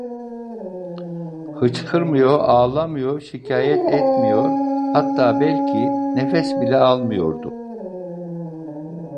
Hıçkırmıyor, ağlamıyor, şikâyet etmiyor, hatta belki nefes bile almıyordu.